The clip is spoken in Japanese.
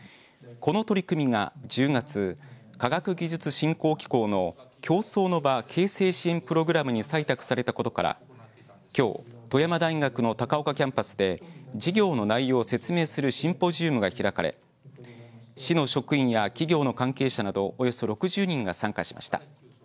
この取り組みが１０月科学技術振興機構の共創の場形成支援プログラムに採択されたことからきょう富山大学の高岡キャンパスで事業の内容を説明するシンポジウムが開かれ市の職員や企業の関係者などおよそ６０人が参加しました。